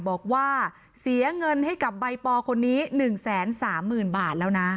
บอกว่าเสียเงินให้กับใบปอคนนี้๑๓๐๐๐บาทแล้วนะ